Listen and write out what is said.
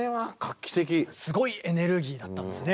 すごいエネルギーだったんですね。